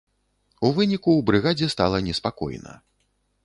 У выніку ў брыгадзе стала неспакойна.